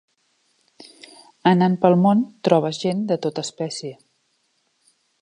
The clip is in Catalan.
Anant pel món trobes gent de tota espècie.